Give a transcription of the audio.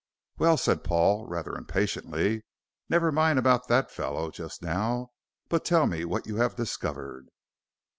"Well," said Paul, rather impatiently, "never mind about that fellow just now, but tell me what you have discovered."